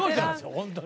本当に。